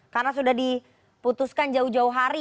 karena sudah diputuskan jauh jauh hari